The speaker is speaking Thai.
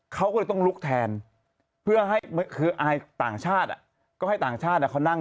เขาก็เลยต้องลุกแทนเพื่อให้ถ